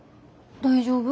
大丈夫？